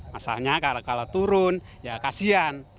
masalahnya kalau turun ya kasian